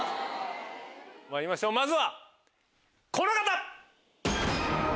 まいりましょうまずはこの方！